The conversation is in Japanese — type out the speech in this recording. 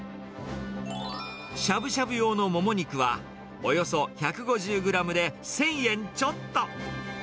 しゃぶしゃぶ用のモモ肉は、およそ１５０グラムで１０００円ちょっと。